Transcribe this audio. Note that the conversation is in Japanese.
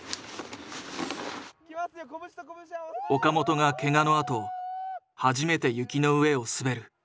岡本がケガのあと初めて雪の上を滑る。